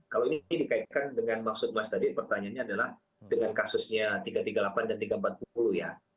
kalau ini dikaitkan dengan maksud mas tadi pertanyaannya adalah dengan kasusnya tiga ratus tiga puluh delapan dan tiga ratus empat puluh ya